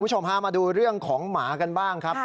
พามาดูเรื่องของหมากันบ้างครับ